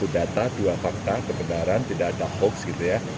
satu data dua fakta kebenaran tidak ada hoax gitu ya